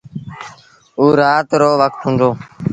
اوٚ رآت رو وکت هُݩدو۔